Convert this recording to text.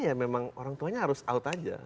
ya memang orang tuanya harus out aja